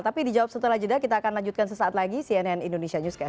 tapi dijawab setelah jeda kita akan lanjutkan sesaat lagi cnn indonesia newscast